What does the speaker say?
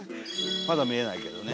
まだ見えないけどね。